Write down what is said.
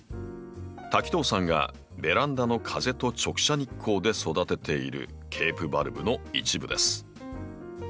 滝藤さんがベランダの風と直射日光で育てているケープバルブの一部です。